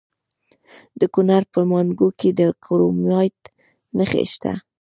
د کونړ په ماڼوګي کې د کرومایټ نښې شته.